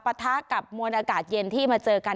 ปะทะกับมวลอากาศเย็นที่มาเจอกัน